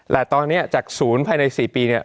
และตอนนี้จากศูนย์ภายใน๔ปี